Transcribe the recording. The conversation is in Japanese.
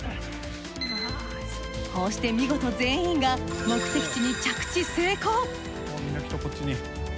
こうして見事全員が目的地に着地成功。